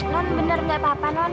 nont benar tidak apa apa nont